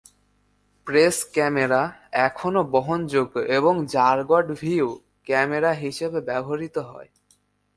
Press camera এখনও বহনযোগ্য এবং র্যাগড ভিউ ক্যামেরা হিসেবে ব্যবহৃত হয়।